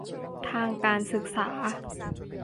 ทางการศึกษา